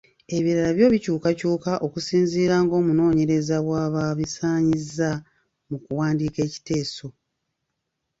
Ebirala byo bikyukakyuka okusinziira ng’omunoonyereza bw'aba abisaanyizza mu kuwandiika ekiteeso.